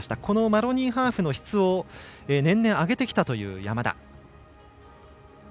マロニーハーフの質を年々上げてきたという山田。